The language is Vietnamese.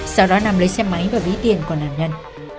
sau đó nam lấy xe máy và ví tiền của nạn nhân